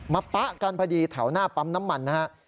ป๊ะกันพอดีแถวหน้าปั๊มน้ำมันนะฮะ